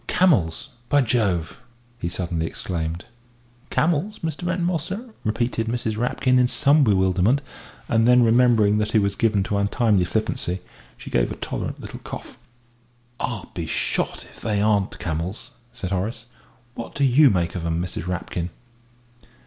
"Camels, by Jove!" he suddenly exclaimed. "Camels, Mr. Ventimore, sir?" repeated Mrs. Rapkin, in some bewilderment; and then, remembering that he was given to untimely flippancy, she gave a tolerant little cough. "I'll be shot if they aren't camels!" said Horace. "What do you make of 'em, Mrs. Rapkin?"